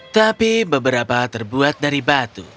tapi beberapa terbuat dari batu